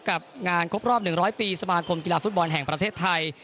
กับงานครบรอบ๑๐๐ปีสมาคมกีฬาฟุตบอลแห่งประเทศไทย